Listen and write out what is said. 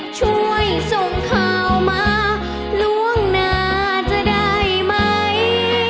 ช่วยส่งข่าวมาล่วงหน้าจะได้ไหม